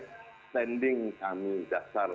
standing kami dasar